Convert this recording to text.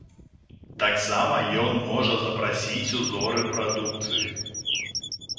Таксама ён можа запрасіць узоры прадукцыі.